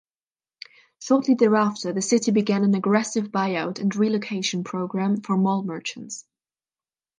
Shortly thereafter the city began an aggressive buyout and relocation program for mall merchants.